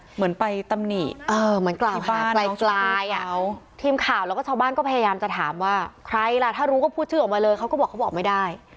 เหมือนไปตำหนิเหมือนกล่าวมาไกลทีมข่าวแล้วก็ชาวบ้านก็พยายามจะถามว่าใครล่ะถ้ารู้ก็พูดชื่อออกมาเลยเขาก็บอกเขาบอกไม่ได้